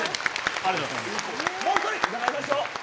もう１人、まいりましょう。